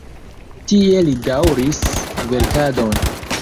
Tie li daŭris verkadon.